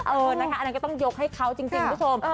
เออนะคะอันนั้นก็ต้องยกให้เขาจริงคุณผู้ชม